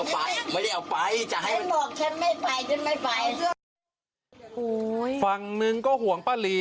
ฝั่งหนึ่งก็ห่วงป้าลี